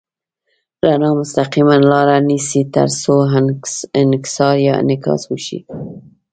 رڼا مستقیمه لاره نیسي تر څو انکسار یا انعکاس وشي.